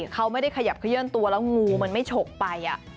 ก็ไม่ได้ขยับเขื่อนตัวแล้วงูมันมันไม่ฉกไป